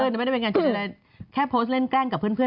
ไม่ได้เป็นการแค่โพสต์เล่นแกล้งกับเพื่อน